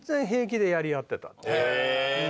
へえ。